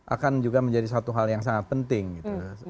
akan juga menjadi satu hal yang sangat penting gitu